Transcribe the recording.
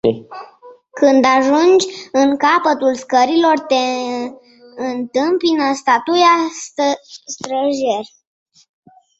Când ajungi în capătul scărilor, te întâmpină statuia străjer.